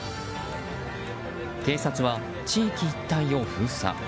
警察は地域一帯を封鎖。